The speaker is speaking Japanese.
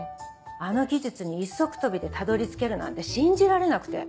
あの技術に一足飛びでたどり着けるなんて信じられなくて。